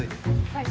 はい。